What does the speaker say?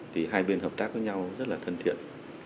thì hai bên hợp tác với nhau rất là thân thiện